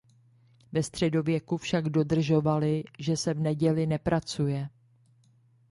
Ve středověku však dodržovali, že se v neděli nepracuje.